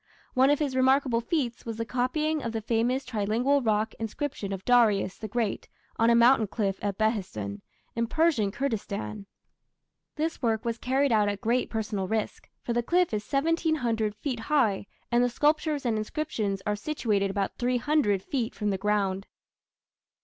One of his remarkable feats was the copying of the famous trilingual rock inscription of Darius the Great on a mountain cliff at Behistun, in Persian Kurdistan. This work was carried out at great personal risk, for the cliff is 1700 feet high and the sculptures and inscriptions are situated about 300 feet from the ground.